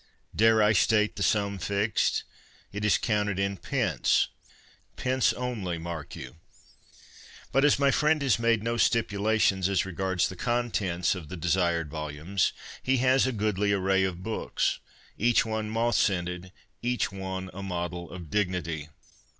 Dare I state the sum fixed ? It is counted in pence — pence only, mark you ! But as my friend has made no stipulations as regards the contents of the desired volumes, he has a goodly array of books, each one ' moth scented/ each one a model of dignity.